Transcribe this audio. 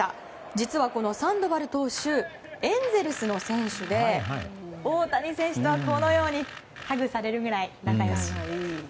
実は、このサンドバル投手エンゼルスの選手で大谷選手とはこのようにハグされるくらい仲良し。